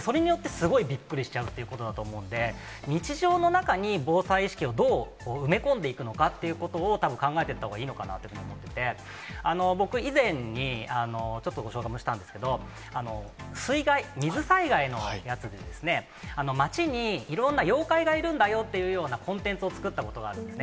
それによって、すごいびっくりしちゃうってことだと思うんで、日常の中に防災意識をどう埋め込んでいくのかっていうことを、たぶん考えていったほうがいいのかなって思っていて、僕、以前に、ちょっとご紹介もしたんですけど、水害、水災害のやつで、町にいろんな妖怪がいるんだよっていうようなコンテンツを作ったことがあるんですね。